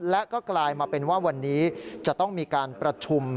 และก็กลายมาเป็นว่าวันนี้จะต้องมีการประชุม